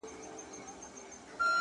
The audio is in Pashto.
هغه نجلۍ چي هر ساعت به یې پوښتنه کول;